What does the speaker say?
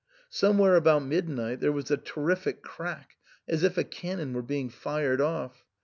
Somewhere about midnight there was a terrific crack, as if a cannon were being fired off.